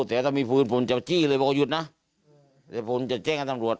แต่ถ้ามีพื้นผมจะจี้เลยพอก็หยุดนะแต่ผมจะแจ้งกับตำลวด